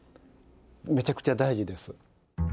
めちゃくちゃ大事です。